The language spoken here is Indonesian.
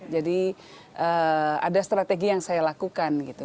jadi ada strategi yang saya lakukan gitu